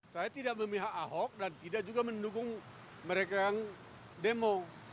saya tidak memihak ahok dan tidak juga mendukung mereka yang demo